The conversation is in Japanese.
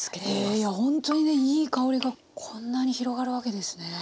いやほんとにねいい香りがこんなに広がるわけですね。